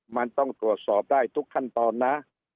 มันต้องตรวจสอบได้ทุกขั้นตอนนะ